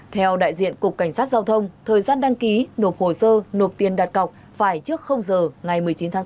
theo đại diện cục cảnh sát giao thông thời gian đăng ký nộp hồ sơ nộp tiền đặt cọc phải trước giờ ngày một mươi chín tháng bốn